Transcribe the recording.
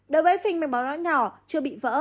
đối với phình mạch máu não nhỏ chưa bị vỡ